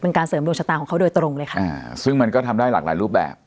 การเสริมดวงชะตาของเขาโดยตรงเลยค่ะอ่าซึ่งมันก็ทำได้หลากหลายรูปแบบ